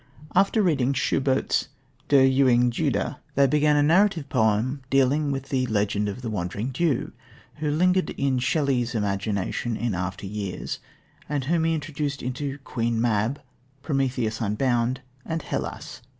After reading Schubert's Der Ewige Jude, they began a narrative poem dealing with the legend of the Wandering Jew, who lingered in Shelley's imagination in after years, and whom he introduced into Queen Mab, Prometheus Unbound, and Hellas.